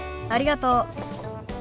ありがとう。